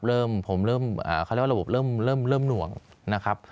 เริ่มผมเริ่มเขาเรียกว่าระบบเริ่มหน่วงนะครับ